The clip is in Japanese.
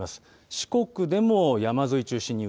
四国でも山沿い中心に雪。